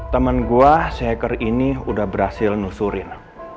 teman gue shaker ini udah berhasil nusurin